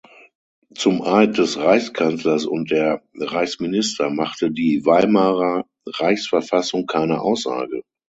Zum Eid des Reichskanzlers und der Reichsminister machte die Weimarer Reichsverfassung keine Aussage.